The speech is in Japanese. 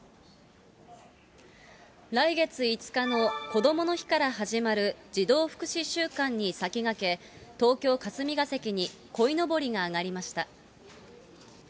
来月５日のこどもの日から始まる児童福祉週間に先駆け、東京・霞が関にこいのぼりがあがりました。